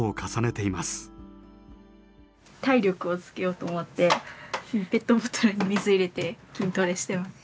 体力をつけようと思ってペットボトルに水入れて筋トレしてます。